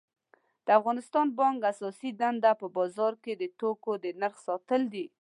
د افغانستان بانک اساسی دنده په بازار کی د توکو د نرخ ساتل دي